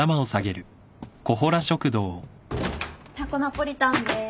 タコナポリタンです。